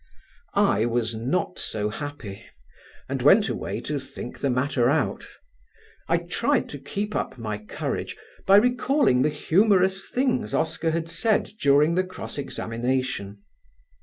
I was not so happy and went away to think the matter out. I tried to keep up my courage by recalling the humorous things Oscar had said during the cross examination.